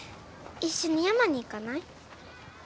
一緒に山に行かない？